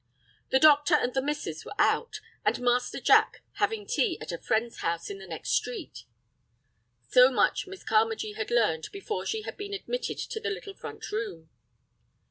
The doctor and the "missus" were out, and Master Jack having tea at a friend's house in the next street. So much Miss Carmagee had learned before she had been admitted to the little front room.